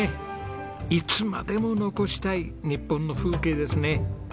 いつまでも残したい日本の風景ですね。